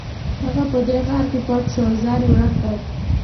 هغه په دې غار کې پټ شو او ځان یې ورک کړ